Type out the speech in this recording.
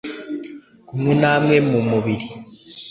kumwe namwe mu mubiri